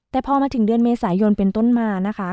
แต่พอมาถึงเดือนเมษายนเป็นต้นมานะคะ